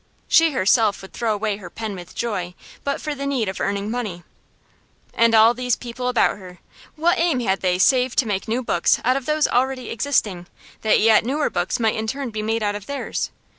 She herself would throw away her pen with joy but for the need of earning money. And all these people about her, what aim had they save to make new books out of those already existing, that yet newer books might in turn be made out of theirs?